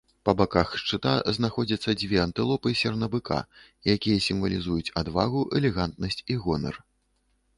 Па баках шчыта знаходзяцца дзве антылопы сернабыка, якія сімвалізуюць адвагу, элегантнасць і гонар.